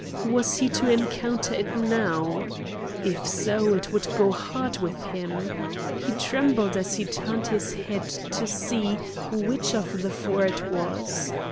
Was he to encounter it now? If so, it would go hard with him. He trembled as he turned his head to see which of the four it was.